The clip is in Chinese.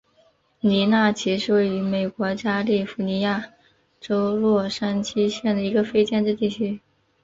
尼纳奇是位于美国加利福尼亚州洛杉矶县的一个非建制地区。